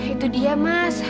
itu dia mas